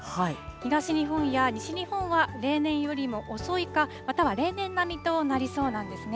東日本や西日本は例年よりも遅いか、または例年並みとなりそうなんですね。